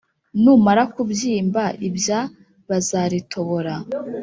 Numara kubyimba ibya bazaritobora